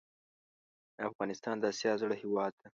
افغانستان د اسیا زړه هیواد ده